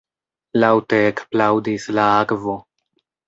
Laŭte ekplaŭdis la akvo.